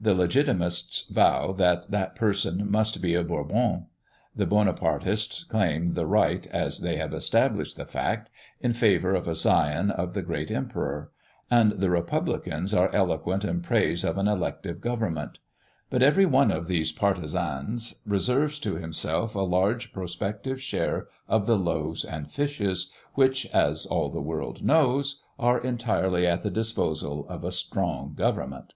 The Legitamists vow that that person must be a Bourbon; the Bonapartists claim the right, as they have established the fact, in favour of a scion of the great Emperor; and the Republicans are eloquent in praise of an elective government; but every one of these partisans reserves to himself a large prospective share of the loaves and fishes, which, as all the world knows, are entirely at the disposal of a "strong government."